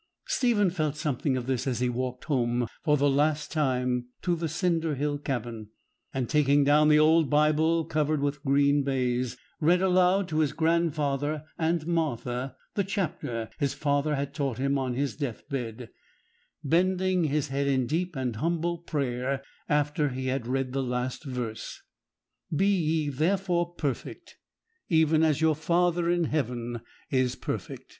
Stephen felt something of this as he walked home for the last time to the cinder hill cabin; and, taking down the old Bible covered with green baize, read aloud to his grandfather and Martha the chapter his father had taught him on his death bed; bending his head in deep and humble prayer after he had read the last verse: 'Be ye therefore perfect, even as your Father in heaven is perfect.'